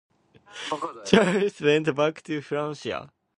Charles went back to Francia.